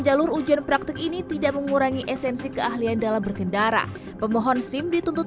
jalur ujian praktik ini tidak mengurangi esensi keahlian dalam berkendara pemohon sim dituntut